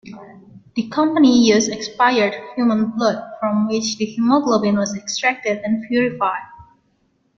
The company used expired human blood from which the hemoglobin was extracted and purified.